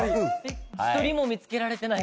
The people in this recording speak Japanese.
１人も見つけられてない。